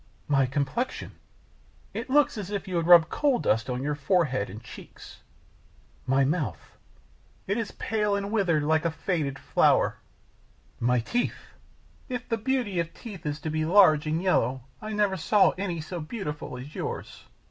"My complexion " "It looks as if you had rubbed coal dust on your forehead and cheeks." "My mouth " "It is pale and withered, like a faded flower." "My teeth " "If the beauty of teeth is to be large and yellow, I never saw any so beautiful as yours."